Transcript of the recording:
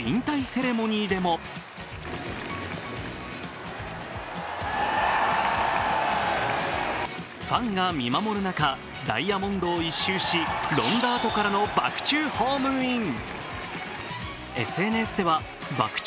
引退セレモニーでもファンが見守る中、ダイヤモンドを一蹴しロンダートからのバク宙ホームイン。